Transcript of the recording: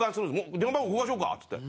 「電話番号交換しようか」っつって。